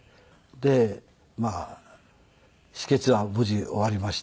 でまあ止血は無事終わりました。